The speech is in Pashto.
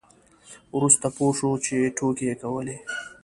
وروسته پوه شو چې ټوکې یې کولې.